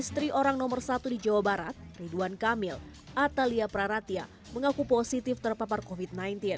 istri orang nomor satu di jawa barat ridwan kamil atalia praratia mengaku positif terpapar covid sembilan belas